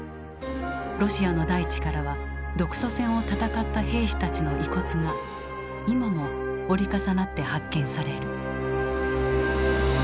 ロシアの大地からは独ソ戦を戦った兵士たちの遺骨が今も折り重なって発見される。